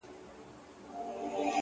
o زړه تا دا كيسه شــــــــــروع كــړه،